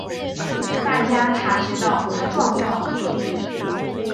大家察觉到她状况有异